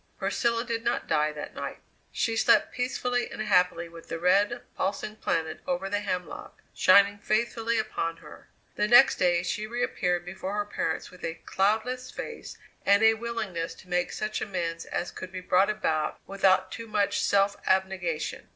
Priscilla did not die that night. She slept peacefully and happily with the red, pulsing planet over the hemlock shining faithfully upon her. The next day she reappeared before her parents with a cloudless face and a willingness to make such amends as could be brought about without too much self abnegation.